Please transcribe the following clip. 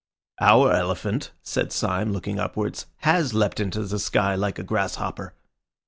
"Our elephant," said Syme, looking upwards, "has leapt into the sky like a grasshopper."